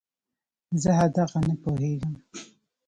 زه هغه دغه نه پوهېږم.